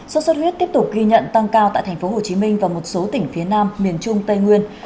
sốt xuất huyết tiếp tục ghi nhận tăng cao tại tp hcm và một số tỉnh phía nam miền trung tây nguyên